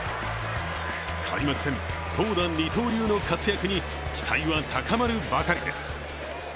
開幕戦、投打二刀流の活躍に期待は高まるばかりです。